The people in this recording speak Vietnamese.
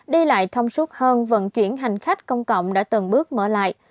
đi lại thông suốt hơn vận chuyển hành khách công cộng đã từng bước mở lại